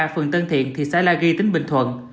phường tân thiện thị xã la ghi tỉnh bình thuận